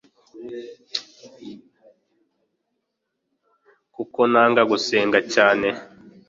kuko nanga gusenga cyane